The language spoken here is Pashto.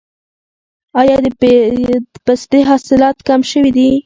آیا د پستې حاصلات کم شوي دي؟